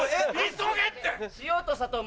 急げって！